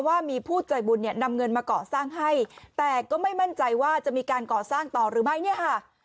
ว่ามีผู้ใจบุญเนี่ยนำเงินมาก่อสร้างให้แต่ก็ไม่มั่นใจว่าจะมีการก่อสร้างต่อหรือไม่เนี่ยค่ะ